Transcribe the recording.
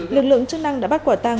lực lượng chức năng đã bắt quả tăng